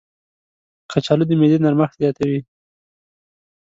کچالو د معدې نرمښت زیاتوي.